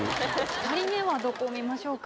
２人目はどこを見ましょうか？